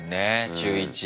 中１。